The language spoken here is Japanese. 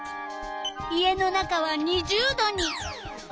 家の中は２０℃に。